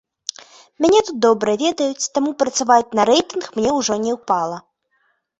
Мяне тут добра ведаюць, таму працаваць на рэйтынг мне ўжо не ўпала.